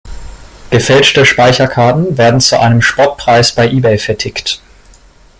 Gefälschte Speicherkarten werden zu einem Spottpreis bei Ebay vertickt.